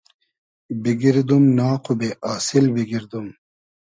بیگیردوم ناق و بې آسیل بیگیردوم